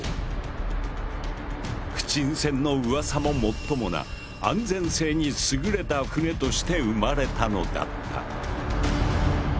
「不沈船」のウワサももっともな安全性に優れた船として生まれたのだった。